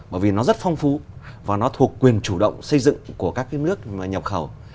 bởi vì nó rất phong phú và nó thuộc quyền chủ động xây dựng của các nước nhập khẩu